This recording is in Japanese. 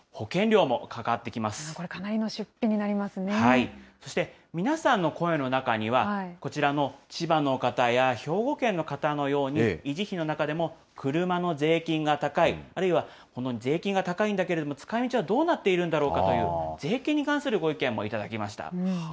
さらにここにローンですとか、これ、かなりの出費になりまそして、皆さんの声の中には、こちらの千葉の方や、兵庫県の方のように、維持費の中でも、車の税金が高い、あるいは、税金が高いんだけれども、使いみちはどうなっているんだろうかという、税金に関するご意見も頂きました。